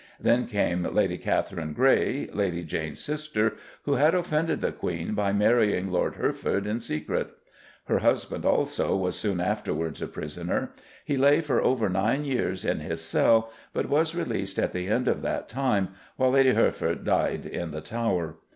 Then came Lady Catherine Grey, Lady Jane's sister, who had offended the Queen by marrying Lord Hertford in secret. Her husband, also, was soon afterwards a prisoner. He lay for over nine years in his cell, but was released at the end of that time, while Lady Hertford died in the Tower.